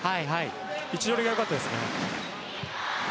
位置取りがよかったですね。